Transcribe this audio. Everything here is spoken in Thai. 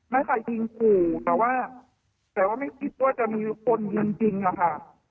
ไม่ค่ะยิงขู่แต่ว่าไม่คิดว่าจะมีคนยิงจริงอ่ะค่ะ